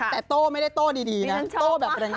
แต่โต้ไม่ได้โต้ดีนะโต้แบบแรงงาน